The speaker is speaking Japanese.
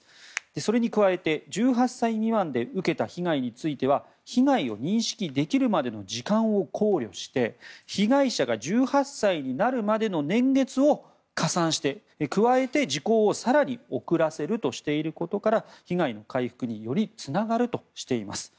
それに加えて１８歳未満で受けた被害については被害を認識できるまでの時間を考慮して被害者が１８歳になるまでの年月を加算して、加えて時効を更に遅らせるとしていることから被害の回復によりつながるとしています。